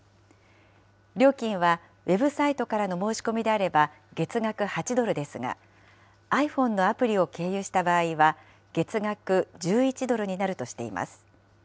料金はウェブサイトからの申し込みであれば、月額８ドルですが、ｉＰｈｏｎｅのアプリを経由した場合は、月額１１ドルになるとしています。